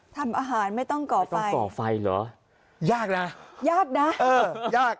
ทำอาหารไม่ต้องก่อไฟก่อไฟเหรอยากนะยากนะเออยาก